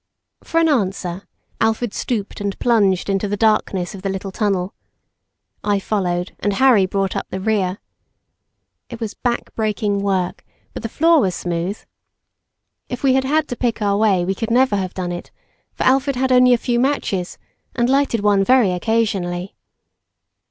For all answer, Alfred stooped and plunged into the darkness of the little tunnel. I followed, and Harry brought up the rear. It was back breaking work, but the floor was smooth. If we had had to pick our way, we could never have done it, for Alfred had only a few matches, and lighted one very occasionally.